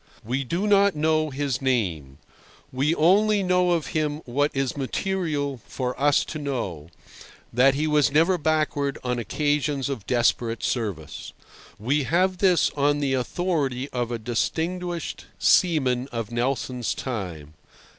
We do not know his name; we only know of him what is material for us to know—that he was never backward on occasions of desperate service. We have this on the authority of a distinguished seaman of Nelson's time.